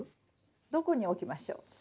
どこに置きましょう？